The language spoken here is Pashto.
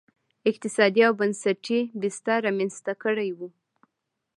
اقتصادي او بنسټي بستر رامنځته کړی و.